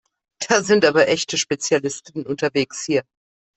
Da sind aber echte Spezialisten unterwegs hier!